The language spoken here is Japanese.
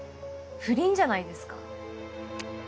不倫じゃないですか